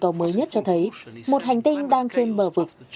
khí hậu toàn cầu mới nhất cho thấy một hành tinh đang trên bờ vực